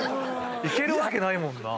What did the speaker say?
行けるわけないもんな。